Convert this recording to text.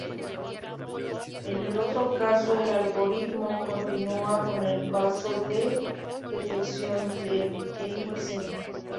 En el otro caso el algoritmo continúa con el paso de detección del elipse.